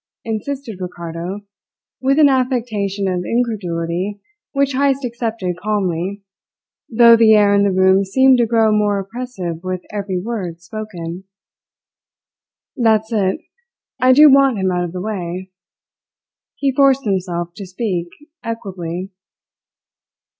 insisted Ricardo with an affectation of incredulity which Heyst accepted calmly, though the air in the room seemed to grow more oppressive with every word spoken. "That's it. I do want him out of the way." He forced himself to speak equably.